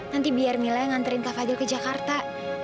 nanti biar mila nganterin kak fadil ke jakarta